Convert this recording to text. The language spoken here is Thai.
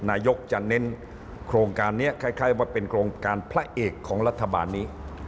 นายกจะเน้นโครงการนี้คล้ายว่าเป็นโครงการพระเอกของรัฐบาลนี้